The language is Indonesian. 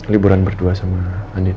liburan berdua sama andin